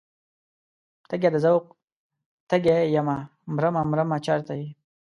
تږی د ذوق تږی یمه مرمه مرمه چرته یې؟